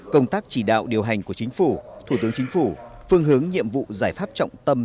công tác chỉ đạo điều hành của chính phủ thủ tướng chính phủ phương hướng nhiệm vụ giải pháp trọng tâm